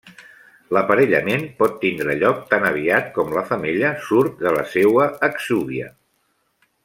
L'aparellament pot tindre lloc tan aviat com la femella surt de la seua exúvia.